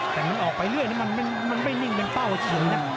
แต่มันออกไปเรื่อยนี่มันไม่นิ่งเป็นเป้าเฉยนะ